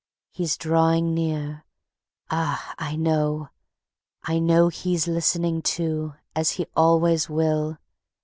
He's drawing near, ah! I know, I know He's listening too, as he always will.